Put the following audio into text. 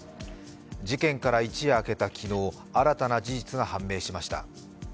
事件から一夜明けた昨日、新たな事実が判明しました。